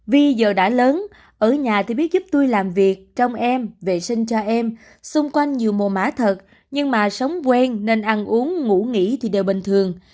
vì giờ đã lớn ở nhà thì biết giúp tôi làm việc trong em vệ sinh cho em xung quanh nhiều mồ mã thật nhưng mà sống quen nên ăn uống ngủ nghỉ thì đều bình thường